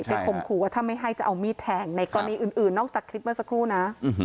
ข่มขู่ว่าถ้าไม่ให้จะเอามีดแทงในกรณีอื่นนอกจากคลิปเมื่อสักครู่นะ